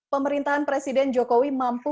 pemerintahan presiden jokowi mampu